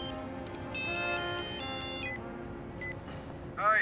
はい。